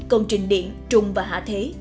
công trình điện trùng và hạ thế